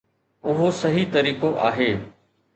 اهو صحيح طريقو آهي.